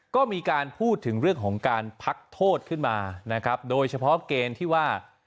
ก็มีการพูดถึงเรื่องของการพักโทษขึ้นมานะครับโดยเฉพาะเกณฑ์ที่ว่า